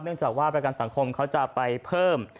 จากว่าประกันสังคมเขาจะไปเพิ่ม